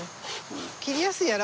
切りやすいやろ？